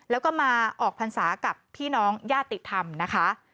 แล้วก็มาออกพรรษากับพี่น้องญาติธรรมนะคะ